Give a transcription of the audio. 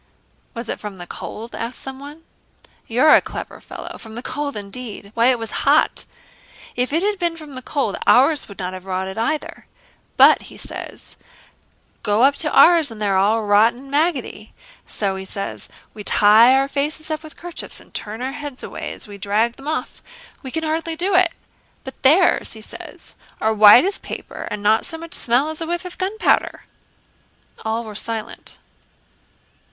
'" "Was it from the cold?" asked someone. "You're a clever fellow! From the cold indeed! Why, it was hot. If it had been from the cold, ours would not have rotted either. 'But,' he says, 'go up to ours and they are all rotten and maggoty. So,' he says, 'we tie our faces up with kerchiefs and turn our heads away as we drag them off: we can hardly do it. But theirs,' he says, 'are white as paper and not so much smell as a whiff of gunpowder.'" All were silent.